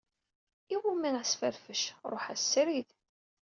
Iwumi asferfec: ṛuḥ-as srid!